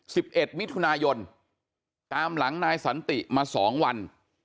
สิบเอ็ดมิถุนายนตามหลังนายสันติมาสองวัน